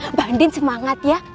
mbak andin semangat ya